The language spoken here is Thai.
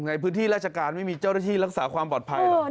ในพื้นที่ราชการไม่มีเจ้าหน้าที่รักษาความปลอดภัยหรอก